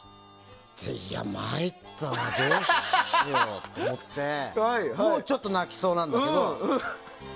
まいったな、どうしようと思ってもうちょっと泣きそうなんだけど。